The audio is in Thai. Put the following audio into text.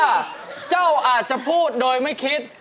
ต้องเลยว่าเจ้าอาจจะพูดโดยไม่คิด